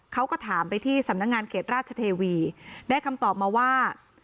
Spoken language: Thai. เขาก็ถามไปที่สำนักงานเขตราชเทวีได้คำตอบมาว่า